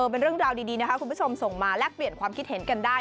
เป็นเรื่องราวดีนะคะคุณผู้ชมส่งมาแลกเปลี่ยนความคิดเห็นกันได้